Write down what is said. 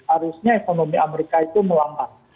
harusnya ekonomi amerika itu melambat